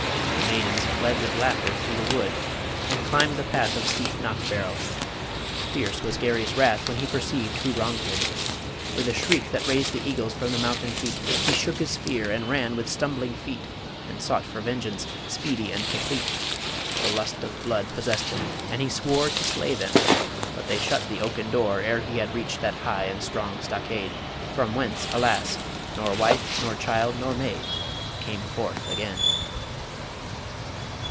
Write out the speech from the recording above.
The maidens fled With laughter through the wood, and climb'd the path Of steep Knockfarrel. Fierce was Garry's wrath When he perceived who wronged him. With a shriek That raised the eagles from the mountain peak, He shook his spear, and ran with stumbling feet, And sought for vengeance, speedy and complete The lust of blood possessed him, and he swore To slay them.... But they shut the oaken door Ere he had reached that high and strong stockade From whence, alas! nor wife, nor child, nor maid Came forth again.